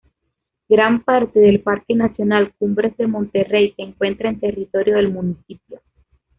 Gran parte del Parque Nacional Cumbres de Monterrey se encuentra en territorio del municipio.